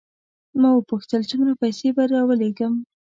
ما وپوښتل څومره پیسې به راولېږم.